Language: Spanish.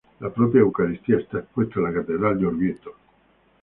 La propia Eucaristía está expuesta en la Catedral de Orvieto.